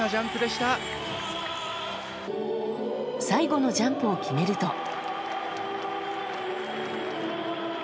最後のジャンプを決めると。